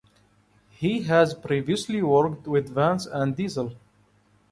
He has previously worked with Vans and Diesel.